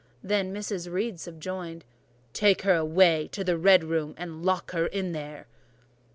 Then Mrs. Reed subjoined— "Take her away to the red room, and lock her in there."